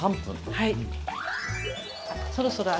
はい。